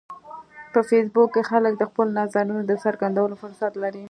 په فېسبوک کې خلک د خپلو نظرونو د څرګندولو فرصت لري